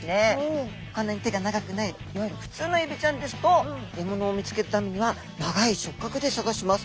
こんなに手が長くないいわゆる普通のエビちゃんですと獲物を見つけるためには長い触角で探します。